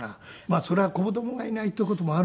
それは子供がいないっていう事もあるんですけどね。